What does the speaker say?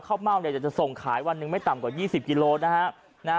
เม่าเนี่ยจะส่งขายวันหนึ่งไม่ต่ำกว่า๒๐กิโลนะฮะ